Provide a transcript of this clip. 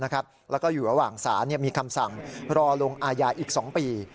แล้วก็อยู่ระหว่างศาลมีคำสั่งรอลงอาญาอีก๒ปี